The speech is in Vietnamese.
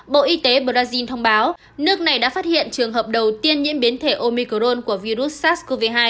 bộ y tế brazil thông báo nước này đã phát hiện trường hợp đầu tiên nhiễm biến thể omicron của virus sars cov hai